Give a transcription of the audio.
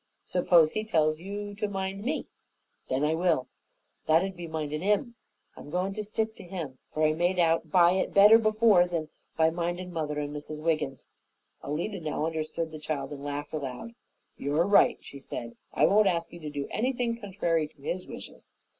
"Suppose he tells you to mind me?" "Then I will. That ud be mindin' him. I'm goin' to stick to him, for I made out by it better before than by mindin' mother and Mrs. Wiggins." Alida now understood the child and laughed aloud. "You are right," she said. "I won't ask you to do anything contrary to his wishes.